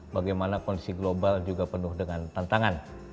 bagaimana kondisi global juga penuh dengan tantangan